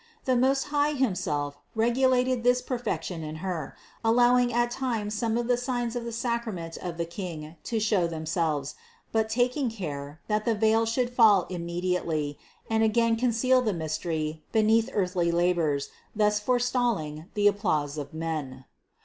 The Most High himself regulated this perfection in Her, allowing at times some of the signs of the sacrament of the King to show themselves, but taking care, that the veil should fall immediately and again conceal the mystery beneath earthly labors, thus forestalling the applause of men.